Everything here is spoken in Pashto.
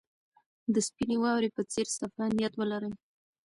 د سپینې واورې په څېر صفا نیت ولرئ.